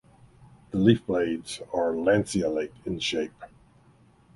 The leaf blades are lanceolate in shape.